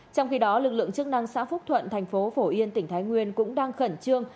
trong khi đó lực lượng chức năng xã phúc thuận thành phố phổ yên tỉnh thái nguyên cũng đang khẩn trương